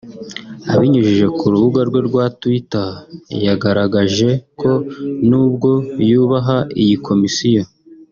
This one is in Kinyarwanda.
abinyujije ku rubuga rwe rwa Twitter yagaragaje ko n’ubwo yubaha iyi Komisiyo